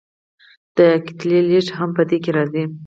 د کتلې لیږد هم په دې کې راځي.